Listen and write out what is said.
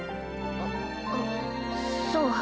あっんっそう。